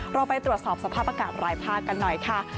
เราไปตรวจสอบสภาพอากาศรายภาคกันหน่อยค่ะ